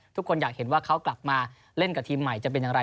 ทุกคนอยากเห็นว่าเขากลับมาเล่นกับทีมใหม่จะเป็นอย่างไร